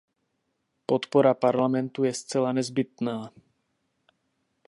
Podpora Parlamentu je zcela nezbytná.